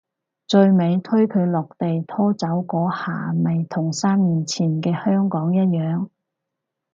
最尾推佢落地拖走嗰下咪同三年前嘅香港一樣